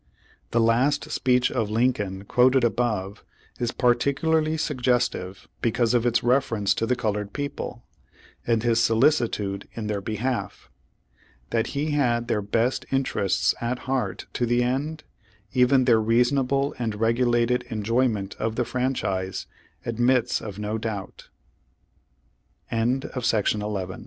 The last speech of Lincoln, quoted above, is par ticularly suggestive because of its reference to the colored people, and his solicitude in their behalf. That he had their best interests at heart to the end, even their reasonable and regulated enjoy ment of the franchise, admits of